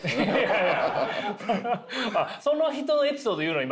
その人のエピソード言うの？